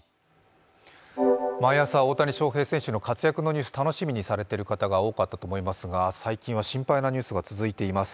毎朝、大谷翔平選手の活躍のニュース楽しみにされている方も多いと思いますが最近は心配なニュースが続いています。